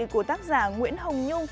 của tác giả nguyễn hồng nhung